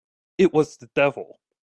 It was the devil!